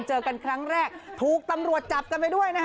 เจอกันครั้งแรกถูกตำรวจจับกันไปด้วยนะฮะ